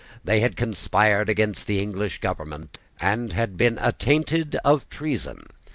They had conspired against the English government, and had been attainted of treason.